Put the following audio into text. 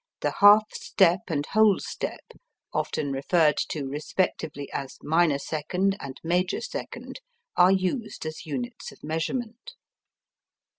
the half step and whole step (often referred to respectively as minor second, and major second) are used as units of measurement.